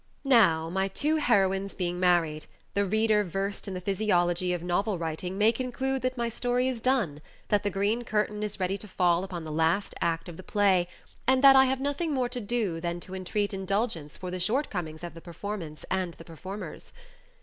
Now, my two heroines being married, the reader versed in the physiology of novel writing may conclude that my story is done, that the green curtain is ready to fall upon the last act of the play, and that I have nothing more to do than to entreat indulgence for the shortcomings of the performance and the performers.